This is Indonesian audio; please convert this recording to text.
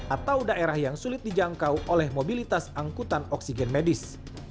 atau daerah yang sulit dijangkau oleh mobilitas angkutan oksigen medis